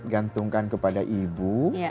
gantungkan kepada ibu